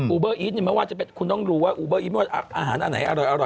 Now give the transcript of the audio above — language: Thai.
อูเบอร์อีทคุณต้องรู้ว่าอูเบอร์อีทอาหารอะไรอร่อย